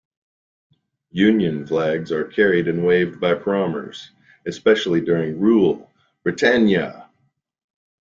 Union Flags are carried and waved by the Prommers, especially during "Rule, Britannia!".